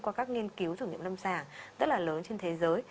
qua các nghiên cứu thử nghiệm lâm sàng rất là lớn trên thế giới